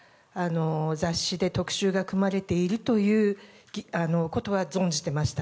雑誌で特集が組まれているということは存じてました。